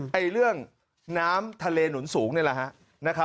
เรื่องน้ำทะเลหนุนสูงนี่แหละฮะ